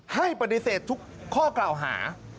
ให้ปฏิเสธทุกข้อกล่าวหา